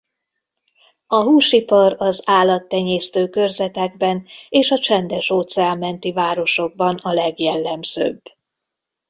A húsipar az állattenyésztő körzetekben és a Csendes-óceán menti városokban a legjellemzőbb.